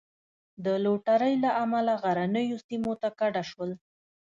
د لوټرۍ له امله غرنیو سیمو ته کډه شول.